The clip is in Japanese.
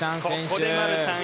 ここでマルシャン。